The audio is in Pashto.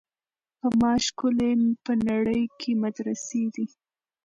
په ما ښکلي په نړۍ کي مدرسې دي